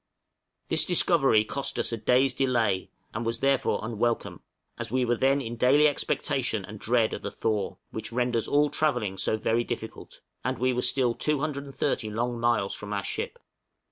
This discovery cost us a day's delay, and was therefore unwelcome, as we were then in daily expectation and dread of the thaw, which renders all travelling so very difficult; and we were still 230 long miles from our ship.